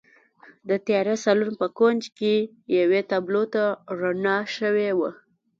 د تیاره سالون په کونج کې یوې تابلو ته رڼا شوې وه